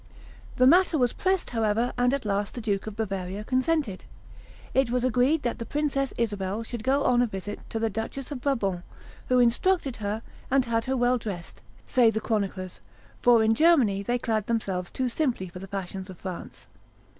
The matter was pressed, however, and at last the Duke of Bavaria consented. It was agreed that the Princess Isabel should go on a visit to the Duchess of Brabant, who instructed her, and had her well dressed, say the chroniclers, for in Germany they clad themselves too simply for the fashions of France.